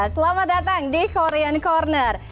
selamat datang di korean corner